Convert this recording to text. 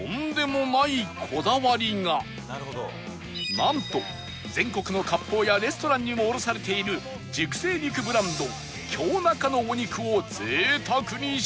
なんと全国の割烹やレストランにも卸されている熟成肉ブランド京中のお肉を贅沢に使用